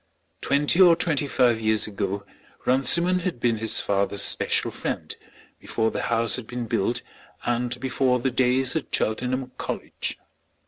Twenty or twenty five years ago Runciman had been his father's special friend, before the house had been built and before the days at Cheltenham College.